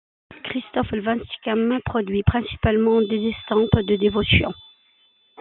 Christoffel van Sichem produit principalement des estampes de dévotion.